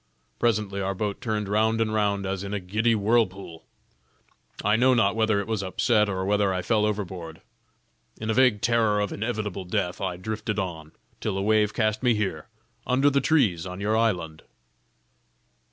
Presently our boat turned round and round as in a giddy whirlpool; I know not whether it was upset, or whether I fell overboard. In a vague terror of inevitable death I drifted on, till a wave cast me here, under the trees on your island."